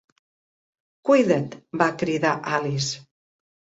"Cuida't!", va cridar Alice.